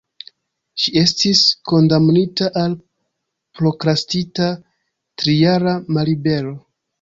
Ŝi estis kondamnita al prokrastita trijara mallibero.